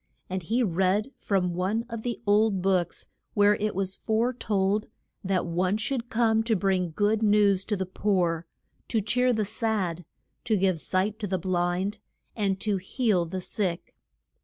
And he read from one of the old books where it was fore told that one should come to bring good news to the poor, to cheer the sad, to give sight to the blind, and to heal the sick.